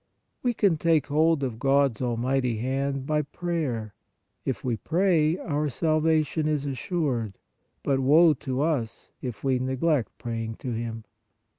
We can take hold of God s almighty hand by prayer; if we pray, our salvation is assured; but woe to us, if we neglect praying to Him.